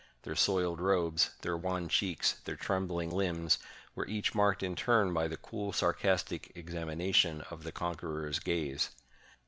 Their soiled robes, their wan cheeks, their trembling limbs, were each marked in turn by the cool, sarcastic examination of the conqueror's gaze.